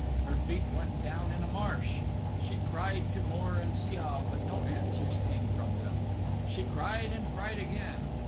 Her feet went down in a marsh. She cried to Mor and Siav, but no answers came from them. She cried and cried again.